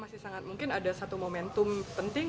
masih sangat mungkin ada satu momentum penting